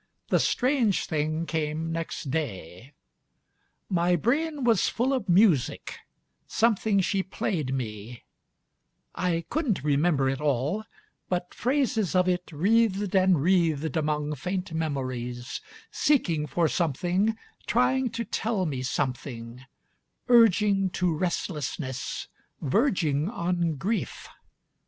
The strange thing came next day. My brain was full of musicâsomething she played me; I couldn't remember it all, but phrases of it Wreathed and wreathed among faint memories, Seeking for something, trying to tell me something, Urging to restlessness, verging on grief.